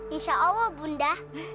insya allah bunda